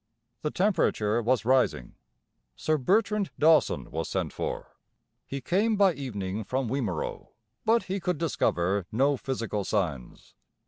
The temperature was rising. Sir Bertrand Dawson was sent for. He came by evening from Wimereux, but he could discover no physical signs.